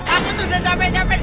aku sudah capek capek